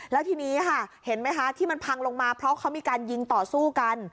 แล้วทีนี้ค่ะเห็นไหมคะที่มันพังลงมาเพราะเขามีการยิงต่อสู้กัน